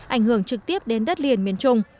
ảnh hưởng trực tiếp đến đất liền miền trung